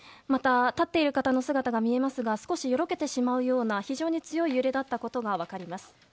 また、立っている方の姿が見えますが少しよろけてしまうような非常に強い揺れだったことが分かります。